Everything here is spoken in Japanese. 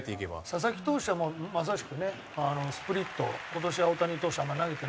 佐々木投手はもうまさしくねスプリット今年は大谷投手はあんまり投げてないですけど。